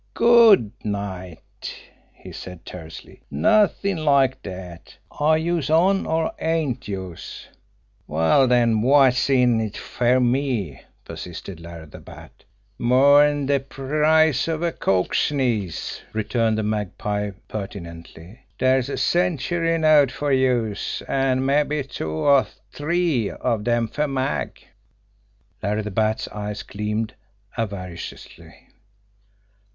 "GOOD night!" he said tersely. "Nothin' like dat! Are youse on, or ain't youse?" "Well, den, wot's in it fer me?" persisted Larrry the Bat. "More'n de price of a coke sneeze!" returned the Magpie pertinently. "Dere's a century note fer youse, an' mabbe two or t'ree of dem fer Mag." Larry the Bat's eyes gleamed avariciously.